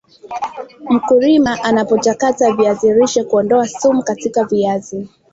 mkulima anapochakata viazilishe Kuondoa sumu katika viazi